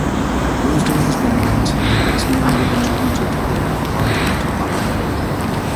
Rosedale has been ranked the best neighbourhood in Toronto to live by "Toronto Life".